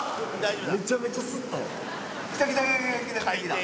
めちゃめちゃ吸ったわ。